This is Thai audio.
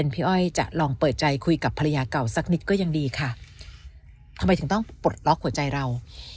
พี่อ้อยจะลองเปิดใจคุยกับภรรยาเก่าสักนิดก็ยังดีค่ะทำไมถึงต้องปลดล็อกหัวใจเรา